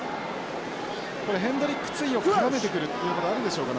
これヘンドリックツイを絡めてくるということはあるでしょうか？